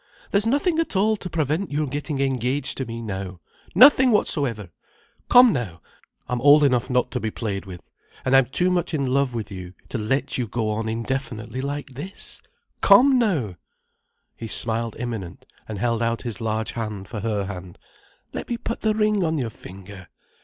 There's nothing at all to prevent your getting engaged to me now. Nothing whatsoever! Come now. I'm old enough not to be played with. And I'm much too much in love with you to let you go on indefinitely like this. Come now!" He smiled imminent, and held out his large hand for her hand. "Let me put the ring on your finger.